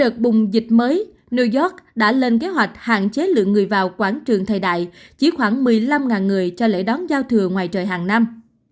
đợt bùng dịch mới new york đã lên kế hoạch hạn chế lượng người vào quảng trường thời đại chỉ khoảng một mươi năm người cho lễ đón giao thừa ngoài trời hàng năm